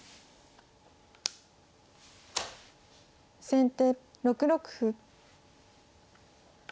先手６六歩。